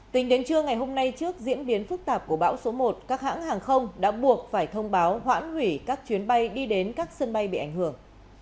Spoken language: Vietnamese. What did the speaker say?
tính đến trưa ngày hôm nay trước diễn biến phức tạp của bão số một các hãng hàng không đã buộc phải thông báo hoãn hủy các chuyến bay đi đến các sân bay bị ảnh hưởng